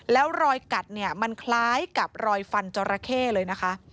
แล้วรอยกัดเนี่ยมันคล้ายกับรอยฟันจราเข้เลยนะคะ